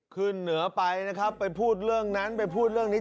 ขึ้นเหนือไปนะครับไปพูดเรื่องนั้นไปพูดเรื่องนี้